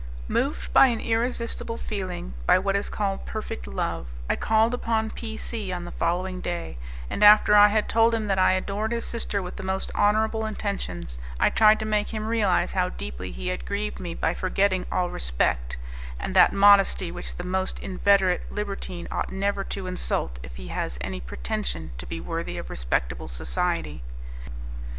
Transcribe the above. Moved by an irresistible feeling, by what is called perfect love, I called upon P C on the following day, and, after I had told him that I adored his sister with the most honourable intentions, I tried to make him realize how deeply he had grieved me by forgetting all respect, and that modesty which the most inveterate libertine ought never to insult if he has any pretension to be worthy of respectable society.